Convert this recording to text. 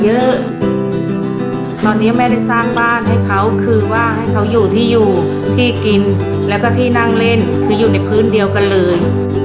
เยอะตอนนี้แม่ได้สร้างบ้านให้เขาคือว่าให้เขาอยู่ที่อยู่ที่กินแล้วก็ที่นั่งเล่นคืออยู่ในพื้นเดียวกันเลย